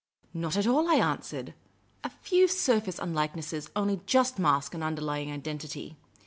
" Not at all," I an.swered. " A few surface unlikenesses only just mask an underlying identity.